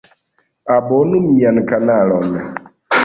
Abonu mian kanalon